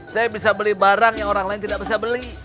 saya bisa beli barang yang orang lain tidak bisa beli